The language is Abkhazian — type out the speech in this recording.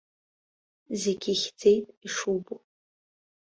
Зегь ихьӡеит, ишубо.